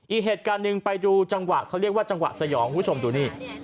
อีกเหตุการณ์หนึ่งไปดูจังหวะเขาเรียกว่าจังหวะสยองคุณผู้ชมดูนี่